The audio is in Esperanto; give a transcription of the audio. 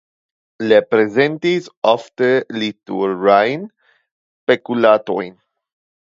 Li prezentis ofte literaturajn spektaklojn.